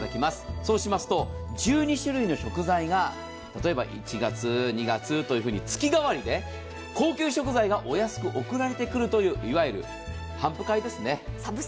そうしますと、１２種類の食材が、例えば１月、２月というように月替わりで高級食材がお安く送られてくるという、いわゆる頒布会ですね。